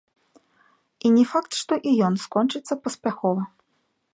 І не факт, што і ён скончыцца паспяхова.